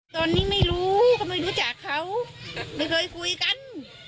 ตอนนี้ไม่รู้ก็ไม่รู้จักเขาไม่เคยคุยกัน